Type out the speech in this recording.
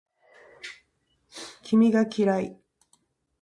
君が嫌い